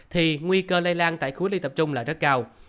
thì nguy cơ lây lan tại khu cách ly tập trung là rất cao